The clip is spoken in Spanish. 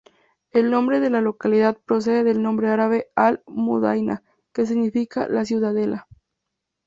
El nombre de la localidad procede del nombre árabe "Al-Mudayna" que significa "la ciudadela".